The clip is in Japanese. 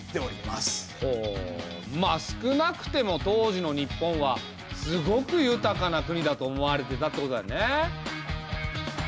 まあ少なくても当時の日本はすごく豊かな国だと思われてたってことだよね。